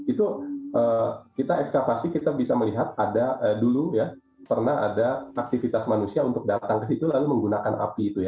itu kita ekskavasi kita bisa melihat ada dulu ya pernah ada aktivitas manusia untuk datang ke situ lalu menggunakan api itu ya